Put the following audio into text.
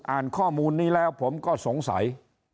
อ่านข้อมูลนี้แล้วผมก็สงสัย